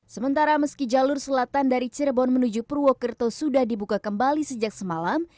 sementara meski jalur selatan dari cirebon menuju purwokerto sudah dibuka kembali sejak semalam